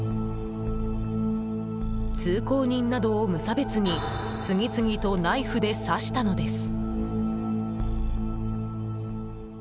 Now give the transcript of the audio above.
通行人などを無差別に次々とナイフで刺したのです。